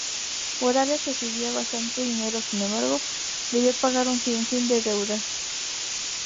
Morales recibía bastante dinero, sin embargo debía pagar un sinfín de deudas.